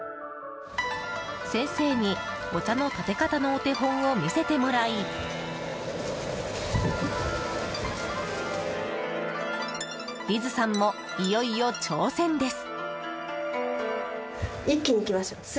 先生にお茶のたて方のお手本を見せてもらいリズさんも、いよいよ挑戦です。